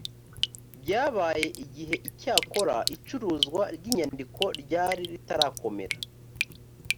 byabaye igihe icyakora icuruzwa ry inyandiko ryari ritarakomera